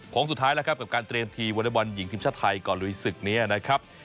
ของสุดท้ายแล้วกับการเตรียมทีวลัยบอลหญิงทีมชาติไทยก่อนรุยศึกเนี่ยนะครับ